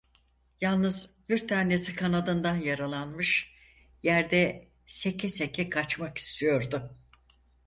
Yalnız bir tanesi kanadından yaralanmış, yerde seke seke kaçmak istiyordu.